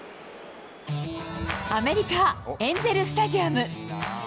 アメリカ、エンゼルスタジアム。